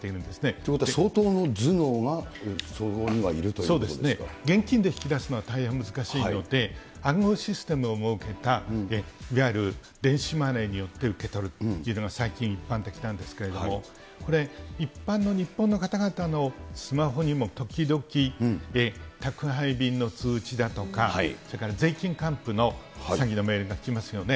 ということは相当の頭脳がそ現金で引き出すのは大変難しいので、暗号システムを設けた、いわゆる電子マネーによって受け取るというのが最近、一般的なんですけれども、これ、一般の日本の方々のスマホにも時々、宅配便の通知だとか、それから税金還付の詐欺のメールが来ますよね。